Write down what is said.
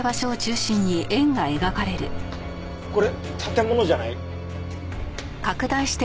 これ建物じゃない？